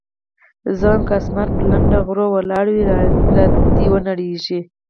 زه وايم که اسمان پر لنډه غرو ولاړ وي را دې ونړېږي.